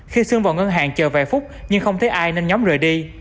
khi sương vào ngân hàng chờ vài phút nhưng không thấy ai nên nhóm rời đi